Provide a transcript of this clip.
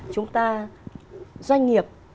chúng ta doanh nghiệp